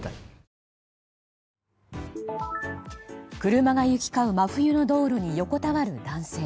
車が行き交う真冬の道路に横たわる男性。